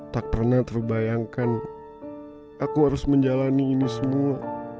tak pernah terbayangkan aku harus menjalani ini semua